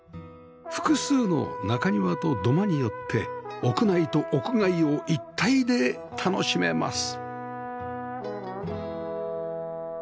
複数の中庭と土間によって屋内と屋外を一体で楽しめます